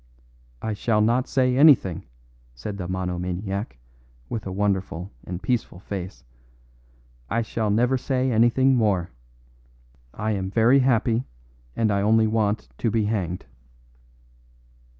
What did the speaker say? "I shall not say anything," said the monomaniac, with a wonderful and peaceful face. "I shall never say anything more. I am very happy, and I only want to be hanged."